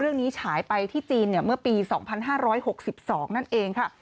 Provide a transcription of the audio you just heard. เรื่องนี้ฉายไปที่จีนเมื่อปี๒๕๖๒นั่นเองค่ะ